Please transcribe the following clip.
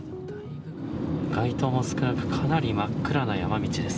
街灯も少なく、かなり真っ暗な山道です。